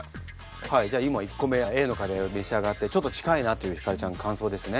はいじゃあ今１個目Ａのカレーを召し上がってちょっと近いなという晃ちゃん感想ですね。